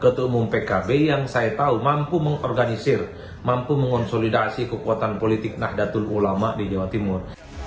ketua umum pkb yang saya tahu mampu mengorganisir mampu mengonsolidasi kekuatan politik nahdlatul ulama di jawa timur